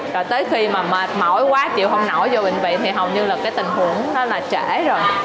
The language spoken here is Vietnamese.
rồi tới khi mà mệt mỏi quá chịu không nổi vô bệnh viện thì hầu như là cái tình huống đó là trễ